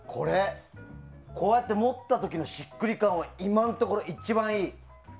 こうやって持った時のしっくり感は今のところ一番いい。